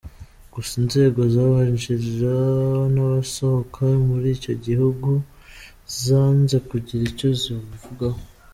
Gusa inzego z’abinjira n’abasohoka muri icyo gihugu zanze kugira icyo zibivugaho.